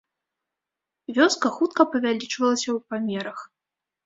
Вёска хутка павялічвалася ў памерах.